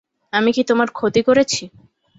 আমি কি তোমার ক্ষতি করেছি?